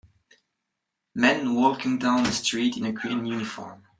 Men walking down a street in a green uniform.